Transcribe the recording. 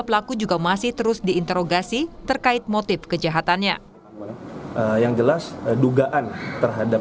pelaku juga masih terus diinterogasi terkait motif kejahatannya yang jelas dugaan terhadap